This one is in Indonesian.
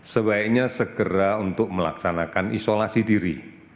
sebaiknya segera untuk melaksanakan isolasi diri